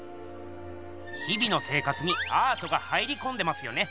日々の生活にアートが入りこんでますよね。